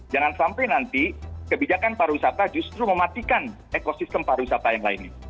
jangan sampai nanti kebijakan pariwisata justru mematikan ekosistem pariwisata yang lainnya